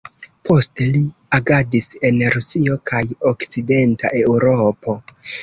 Poste li agadis en Rusio kaj okcidenta Eŭropo.